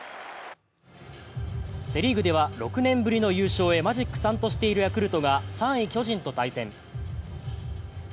セ・リーグでは、６年ぶりの優勝へ、マジック３としているヤクルトが３位・巨人と対戦。